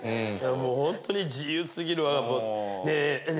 もうホントに自由すぎるわね